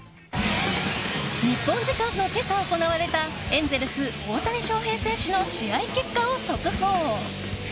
日本時間の今朝行われたエンゼルス、大谷翔平選手の試合結果を速報！